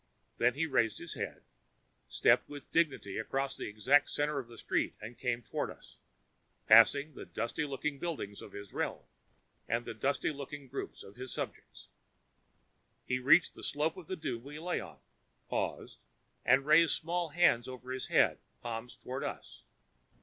Then he raised his head, stepped with dignity across the exact center of the street and came on toward us, passing the dusty looking buildings of his realm and the dusty looking groups of his subjects. He reached the slope of the dune we lay on, paused and raised small hands over his head, palms toward us.